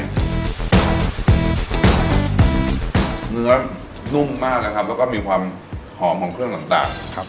เนื้อนุ่มมากนะครับแล้วก็มีความหอมของเครื่องต่างครับ